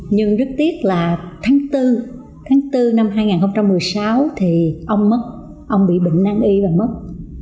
nhưng rất tiếc là tháng bốn tháng bốn năm hai nghìn một mươi sáu thì ông mất ông bị bệnh năng y và mất